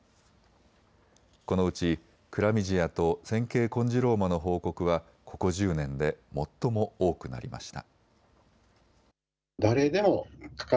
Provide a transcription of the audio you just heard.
このうちクラミジアと尖圭コンジローマの報告はここ１０年で最も多くなりました。